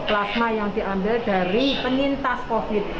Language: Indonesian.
plasma yang diambil dari penintas covid